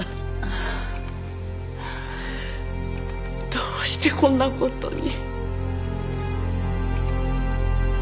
どうしてこんなことに。